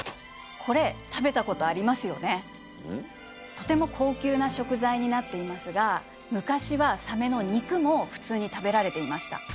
とても高級な食材になっていますが昔はサメの肉も普通に食べられていました。